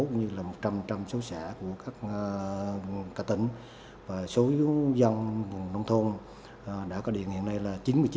cũng như là một trăm linh số xã của các tỉnh và số dân vùng nông thôn đã có điện hiện nay là chín mươi chín